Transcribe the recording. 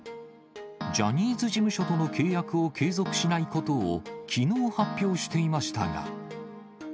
ジャニーズ事務所との契約を継続しないことを、きのう発表していましたが。